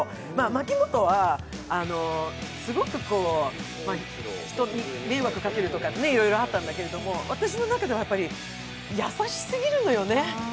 牧本はすごく人に迷惑かけるとか、いろいろあったんだけど、私の中では優しすぎるのよね。